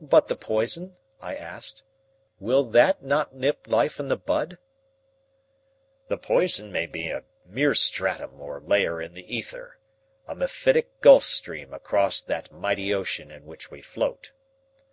"But the poison?" I asked. "Will that not nip life in the bud?" "The poison may be a mere stratum or layer in the ether a mephitic Gulf Stream across that mighty ocean in which we float.